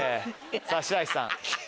さぁ白石さん。